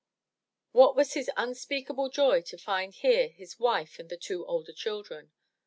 What was his unspeakable joy to find here his wife and the two older children.